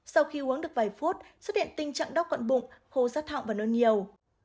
sau khi uống được vài phút xuất hiện tình trạng đóc gọn bụng khô sát thọng và nôn nhiều